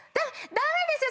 ダメですよ